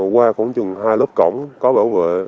qua khoảng chừng hai lớp cổng có bảo vệ